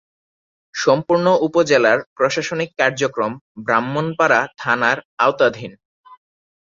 সম্পূর্ণ উপজেলার প্রশাসনিক কার্যক্রম ব্রাহ্মণপাড়া থানার আওতাধীন।